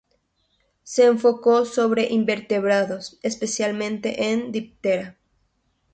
Se enfocó sobre invertebrados, especialmente en "Diptera".